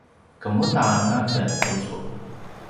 kemuda anga ken tucu?